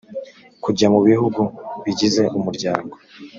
kujya mu bihugu bigize umuryango